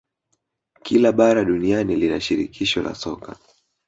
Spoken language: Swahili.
Kila bara duniani lina shirikisho la soka